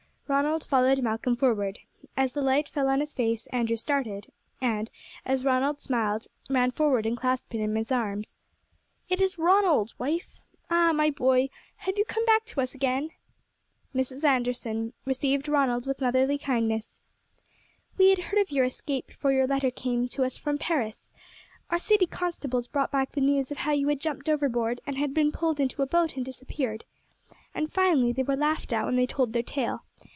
Ronald followed Malcolm forward. As the light fell on his face Andrew started, and, as Ronald smiled, ran forward and clasped him in his arms. "It is Ronald, wife! Ah, my boy, have you come back to us again?" Mrs. Anderson received Ronald with motherly kindness. "We had heard of your escape before your letter came to us from Paris. Our city constables brought back the news of how you had jumped overboard, and had been pulled into a boat and disappeared. And finely they were laughed at when they told their tale.